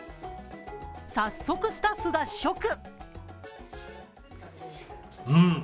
早速、スタッフが試食。